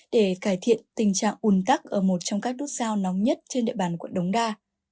để cải thiện tình trạng ùn tắc ở một trong các nút sao nóng nhất trên địa bàn quận đống đa